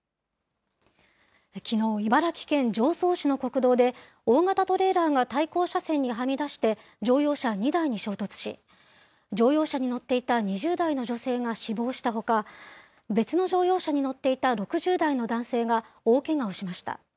きのう、茨城県常総市の国道で、大型トレーラーが対向車線にはみ出して、乗用車２台に衝突し、乗用車に乗っていた２０代の女性が死亡したほか、別の乗用車に乗っていた６０代の男性が大けがをしました。